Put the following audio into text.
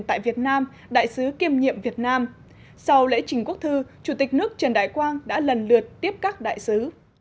tại việt nam đại sứ kiêm nhiệm việt nam sau lễ trình quốc thư chủ tịch nước trần đại quang đã lần lượt tiếp các đại sứ